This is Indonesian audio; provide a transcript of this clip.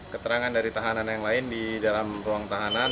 keterangan dari tahanan yang lain di dalam ruang tahanan